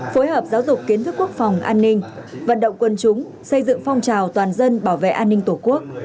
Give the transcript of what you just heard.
phối hợp giáo dục kiến thức quốc phòng an ninh vận động quân chúng xây dựng phong trào toàn dân bảo vệ an ninh tổ quốc